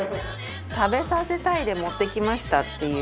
「食べさせたい」で持ってきましたっていう。